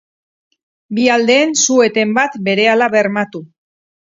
Bi aldeen su-eten bat berehala bermatu.